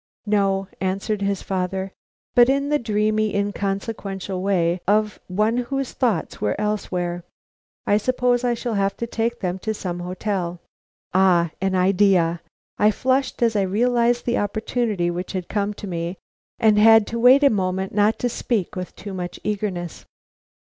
"No," answered the father, but in the dreamy, inconsequential way of one whose thoughts were elsewhere. "I suppose I shall have to take them to some hotel." Ah, an idea! I flushed as I realized the opportunity which had come to me and had to wait a moment not to speak with too much eagerness.